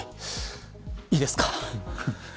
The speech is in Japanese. いいですか。